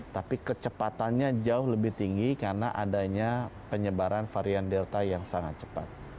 tapi kecepatannya jauh lebih tinggi karena adanya penyebaran varian delta yang sangat cepat